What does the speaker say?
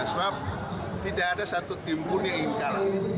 sebab tidak ada satu tim pun yang ingin kalah